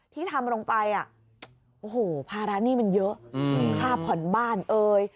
ที่ทำลงไปอ่ะโอ้โหภาระหนี้มันเยอะค่าผ่อนบ้านเอ่ย